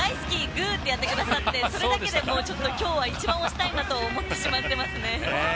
グー！ってやってくださってそれだけで、きょうは一番、推したいなって思ってしまいます。